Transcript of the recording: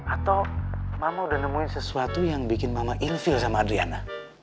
atau mama udah nemuin sesuatu yang bikin mama infill sama adriana